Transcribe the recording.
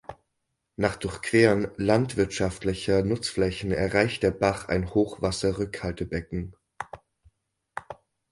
Nach Durchqueren landwirtschaftlicher Nutzflächen erreicht der Bach ein Hochwasserrückhaltebecken.